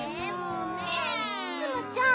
ツムちゃん